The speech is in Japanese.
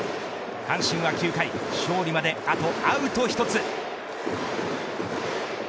阪神は９回勝利まであとアウト１つ。